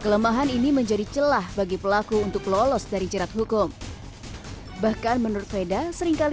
kelemahan ini menjadi celah bagi pelaku untuk lolos dari jerat hukum bahkan menurut veda seringkali